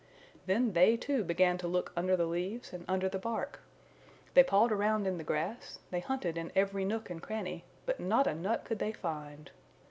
Then they, too, began to look under the leaves and under the bark. They pawed around in the grass, they hunted in every nook and cranny, but not a nut could they find.